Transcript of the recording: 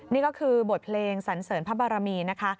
นี่ก็คือบทเพลงสันเสริญพระบารมีนะคะ